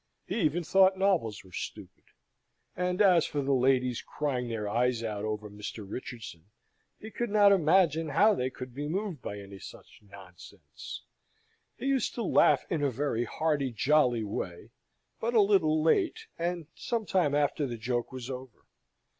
He even thought novels were stupid; and, as for the ladies crying their eyes out over Mr. Richardson, he could not imagine how they could be moved by any such nonsense. He used to laugh in a very hearty jolly way, but a little late, and some time after the joke was over.